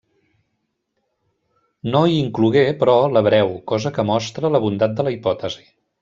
No hi inclogué, però, l'hebreu, cosa que mostra la bondat de la hipòtesi.